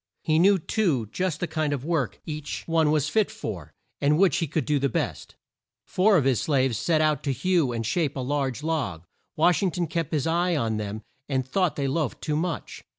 He knew, too, just the kind of work each one was fit for, and which he could do the best. Four of his slaves set out to hew and shape a large log. Wash ing ton kept his eye on them and thought they loafed too much.